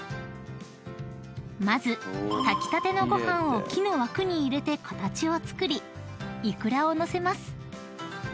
［まず炊きたてのご飯を木の枠に入れて形を作りいくらを載せます］